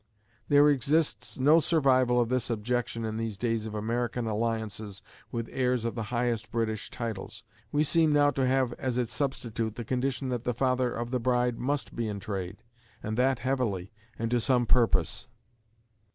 There exists no survival of this objection in these days of American alliances with heirs of the highest British titles. We seem now to have as its substitute the condition that the father of the bride must be in trade and that heavily and to some purpose.